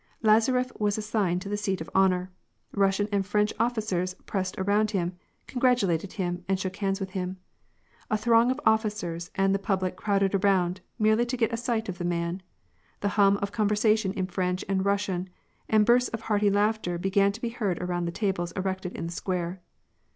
Lazaref was assigned to the seat of honor. Bussian and French officers pressed around him, congratulated him, and shook hands witn him. A throng of officers and the public crowded around, merely to get a sight of the man. The hum of conversation in French and Russian, and bursts of hearty laughter began to be heard around the table erected in the square.